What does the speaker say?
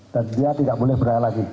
dan dia tidak boleh berlayar lagi